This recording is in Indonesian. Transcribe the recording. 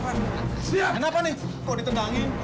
kenapa nih kok ditendangin